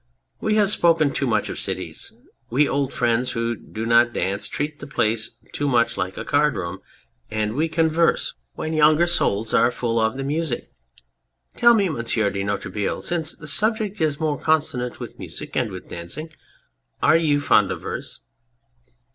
We have spoken too much of cities. W T e old friends who do not dance treat the place too much like a card room, and we converse when younger 209 P On Anything souls are full of the music. ... Tell me, Monsieur de Noiretable since the subject is more consonant with music and with dancing are you fond of verse